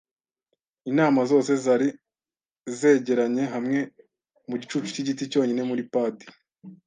Intama zose zari zegeranye hamwe mu gicucu cyigiti cyonyine muri padi.